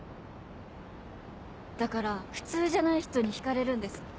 だから普通じゃない人に惹かれるんです。